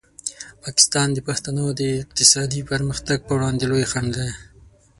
پاکستان د پښتنو د اقتصادي پرمختګ په وړاندې لوی خنډ دی.